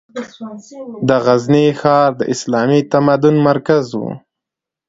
د غزني ښار د اسلامي تمدن مرکز و.